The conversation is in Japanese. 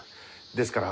ですから。